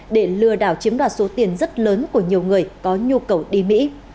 để lừa đảo chiếm đoạt số tiền rất lớn của nhiều người có nhu cầu đi mỹ